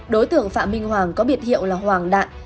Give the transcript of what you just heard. đối tượng phạm minh hoàng có biệt hiệu là hoàng đạn